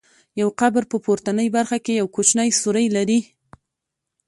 یو قبر په پورتنۍ برخه کې یو کوچنی سوری لري.